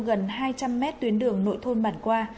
gần hai trăm linh mét tuyến đường nội thôn bản qua